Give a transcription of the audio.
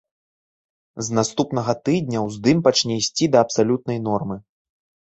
З наступнага тыдня уздым пачне ісці да абсалютнай нормы.